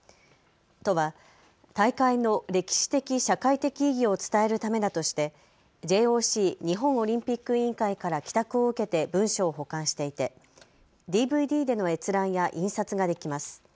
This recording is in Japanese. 都は大会の歴史的・社会的意義を伝えるためだとしてＪＯＣ・日本オリンピック委員会から寄託を受けて文書を保管していてＤＶＤでの閲覧や印刷ができます。